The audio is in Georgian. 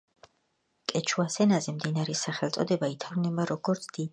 კეჩუას ენაზე მდინარის სახელწოდება ითარგმნება, როგორც „დიდი მდინარე“.